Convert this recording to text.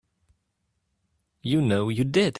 You know you did.